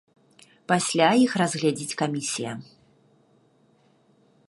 Пасля іх разгледзіць камісія.